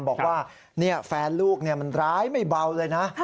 บอกว่าแฟนลูกมันร้ายไม่เบาเลยนะ